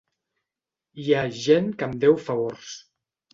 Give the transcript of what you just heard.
Hi ha gent que em deu favors.